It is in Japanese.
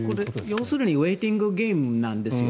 要するにウェイティングゲームなんですよ。